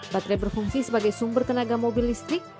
baterai berfungsi sebagai sumber tenaga mobil listrik